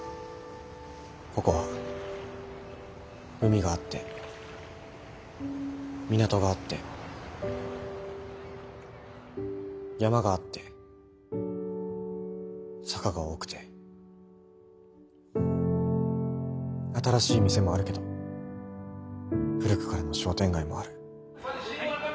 ここは海があって港があって山があって坂が多くて新しい店もあるけど古くからの商店街もある。